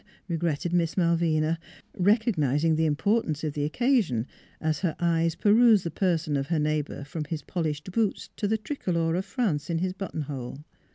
regretted Miss Malvina, recognizing the importance of the oc casion, as her eyes perused the person of her neighbor from his polished boots to the tri color of France in his buttonhole.